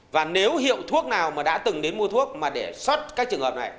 và nếu hiệu thuốc nào mà đã từng đến mua thuốc mà để sót các trường hợp này